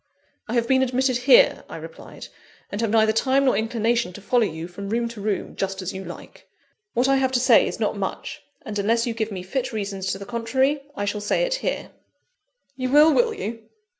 "I have been admitted here," I replied, "and have neither time nor inclination to follow you from room to room, just as you like. What I have to say is not much; and, unless you give me fit reasons to the contrary, I shall say it here." "You will, will you?